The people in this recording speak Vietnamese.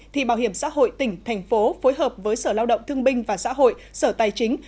thì bảo hiểm xã hội tỉnh thành phố phối hợp với sở lao động thương binh và xã hội sở tài chính